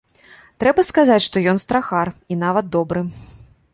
Трэба сказаць, што ён страхар, і нават добры.